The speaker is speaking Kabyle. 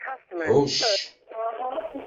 Hucc.